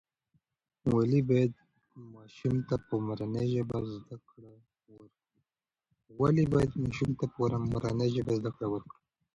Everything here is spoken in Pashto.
ولې باید ماشوم ته په مورنۍ ژبه زده کړه ورکړو؟